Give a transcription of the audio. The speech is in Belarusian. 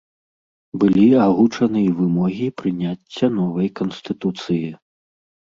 Былі агучаны і вымогі прыняцця новай канстытуцыі.